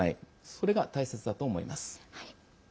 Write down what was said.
それが大切だと考えます。